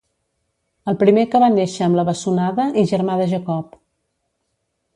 El primer que va néixer amb la bessonada i germà de Jacob.